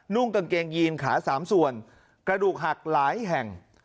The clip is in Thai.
่งกางเกงยีนขา๓ส่วนกระดูกหักหลายแห่ง